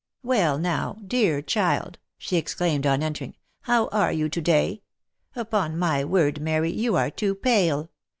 " Well now, dear child!" she exclaimed on entering; "how are you to day? Upon my word, Mary, you are too pale.